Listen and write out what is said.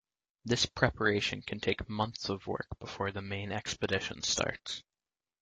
This preparation can take months of work before the main expedition starts.